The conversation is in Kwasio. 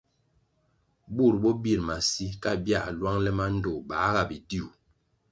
Bur bo bir masi, ka bia lwang le mandtoh bā nga bidiu.